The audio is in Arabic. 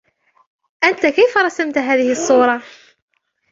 أنتَ كيف رَسَمت هذه الصورة ؟